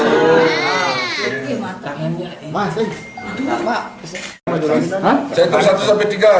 saya tersatu sampai tiga